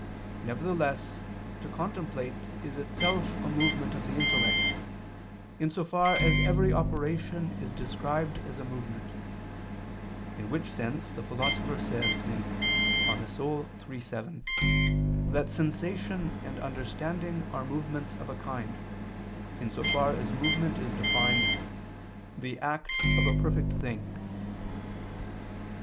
Nevertheless to contemplate is itself a movement of the intellect, in so far as every operation is described as a movement; in which sense the Philosopher says (De Anima iii, 7) that sensation and understanding are movements of a kind, in so far as movement is defined "the act of a perfect thing."